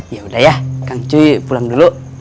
yaudah ya kang cuy pulang dulu